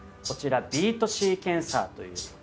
こちらビートシーケンサーという。